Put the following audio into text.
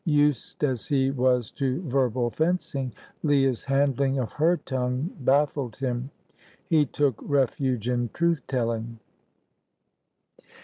Used as he was to verbal fencing, Leah's handling of her tongue baffled him. He took refuge in truth telling.